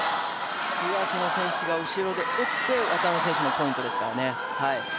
東野選手が後ろで打って渡辺選手のポイントですからね。